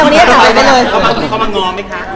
เขามาง้อไหมคะ